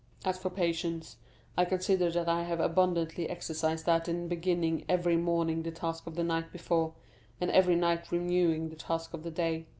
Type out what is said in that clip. As for patience, I consider that I have abundantly exercised that in beginning every morning the task of the night before, and every night renewing the task of the day.